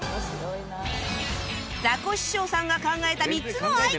ザコシショウさんが考えた３つのアイデア